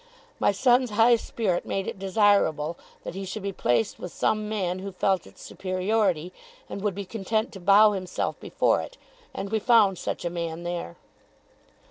My son's high spirit made it desirable that he should be placed with some man who felt its superiority, and would be content to bow himself before it; and we found such a man there.